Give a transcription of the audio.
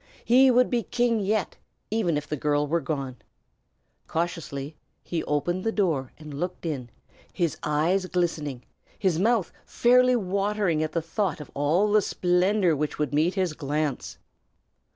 He would be king yet, even if the girl were gone. Cautiously he opened the door and looked in, his eyes glistening, his mouth fairly watering at the thought of all the splendor which would meet his glance.